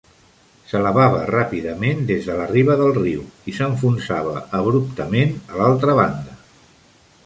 S'elevava ràpidament des de la riba del riu i s'enfonsava abruptament a l'altra banda.